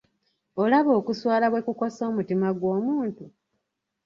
Olaba okuswala bwe kukosa omutima gw'omuntu?